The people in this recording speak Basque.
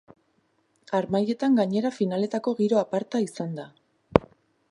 Harmailetan gainera finaletako giro aparta izan da.